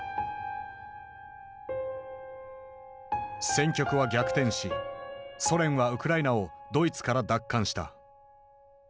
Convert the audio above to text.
戦局は逆転しソ連はウクライナをドイツから奪還した。